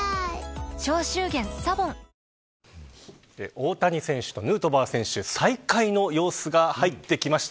大谷選手とヌートバー選手再会の様子が入ってきました。